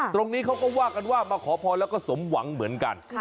ตรงนี้เขาก็ว่ากันว่ามาขอพรแล้วก็สมหวังเหมือนกัน